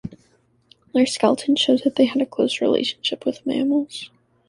Their skeleton shows that they had a close relationship with mammals.